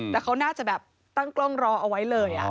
แต่เขาน่าจะแบบตั้งกล้องรอเอาไว้เลย